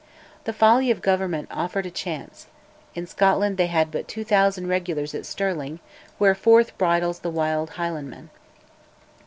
The folly of Government offered a chance: in Scotland they had but 2000 regulars at Stirling, where "Forth bridles the wild Highlandman."